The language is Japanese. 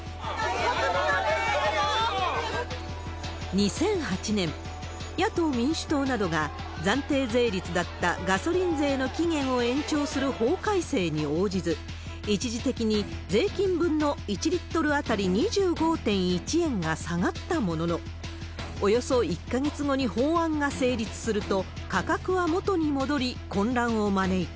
２００８年、野党・民主党などが暫定税率だったガソリン税の期限を延長する法改正に応じず、一時的に税金分の１リットル当たり２５．１円が下がったものの、およそ１か月後に法案が成立すると、価格は元に戻り、混乱を招いた。